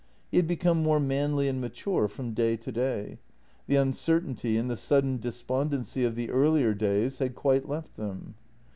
He had become more manly and mature from day to day; the uncertainty and the sudden despondency of the earlier days had quite left him.